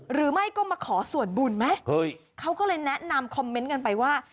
หรือไม่ก็มาขอส่วนบุญไหมเขาก็เลยแนะนำคอมเมนต์กันไปว่า